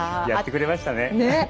やってくれましたね。